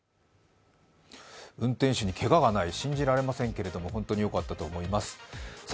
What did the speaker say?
運転手にけがはない、信じられませんけれども本当によかったと思います。